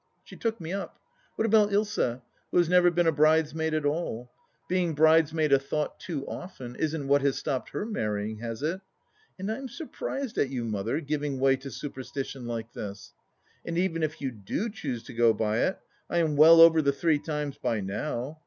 She took me up :" What about Ilsa, who has never been a bridesmaid at all ? Being bridesmaid a thought too often isn't what has stopped her marrying, has it ? And I am surprised at you, Mother, giving way to superstition like this. And even if you do choose to go by it, I am well over the three times by now.